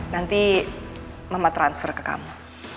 nanti mama transfer ke kamu